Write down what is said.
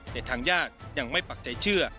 แต่ทางญาติยังไม่ปักใจเชื่อ